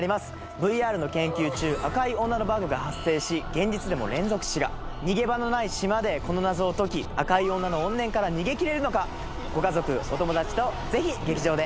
ＶＲの研究中赤い女のバグが発生し現実でも連続死が逃げ場のない島でこの謎を解き赤い女の怨念から逃げきれるのかご家族お友達とぜひ劇場で